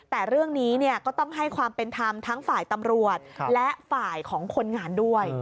แต่เรื่องนี้ก็ต้องให้ความเป็นธรรมทั้งฝ่ายตำรวจและฝ่ายของคนงานด้วย